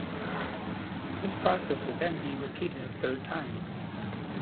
This process would then be repeated a third time.